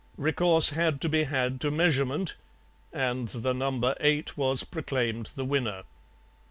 Recourse had to be had to measurement, and the number eight was proclaimed the winner.